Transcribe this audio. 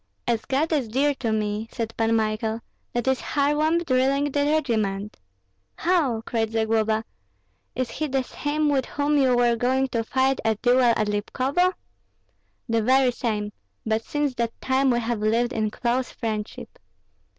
"As God is dear to me," said Pan Michael, "that is Kharlamp drilling the regiment!" "How!" cried Zagloba; "is he the same with whom you were going to fight a duel at Lipkovo?" "The very same; but since that time we have lived in close friendship."